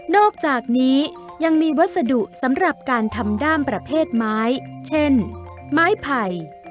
อกจากนี้ยังมีวัสดุสำหรับการทำด้ามประเภทไม้เช่นไม้ไผ่